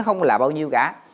không là bao nhiêu cả